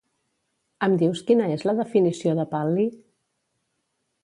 Em dius quina és la definició de pal·li?